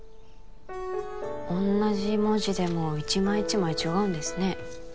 同じ文字でも一枚一枚違うんですね